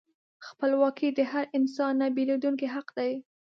خپلواکي د هر انسان نهبیلېدونکی حق دی.